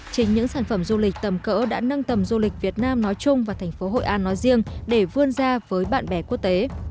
chính những sản phẩm du lịch tầm cỡ đã nâng tầm du lịch việt nam nói chung và thành phố hội an nói riêng để vươn ra với bạn bè quốc tế